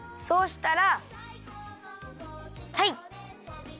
そうしたらたい。